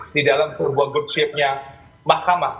di dalam sebuah good shape nya mahkamah